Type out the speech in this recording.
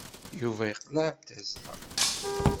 Yuba yeqleɛ d tazzla.